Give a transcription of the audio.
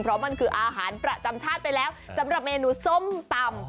เพราะมันคืออาหารประจำชาติไปแล้วสำหรับเมนูส้มตำ